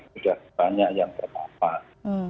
sudah banyak yang terpampas